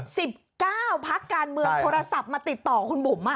สิบเก้าพักการเมืองโทรศัพท์มาติดต่อคุณบุ๋มอ่ะ